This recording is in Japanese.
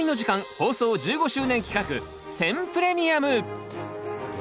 放送１５周年企画選プレミアム。